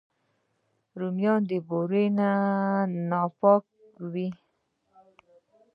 رومیان د بورې نه پاک وي